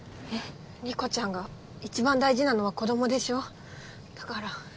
理子ちゃんが一番大事なのは子どもでしょう？だから。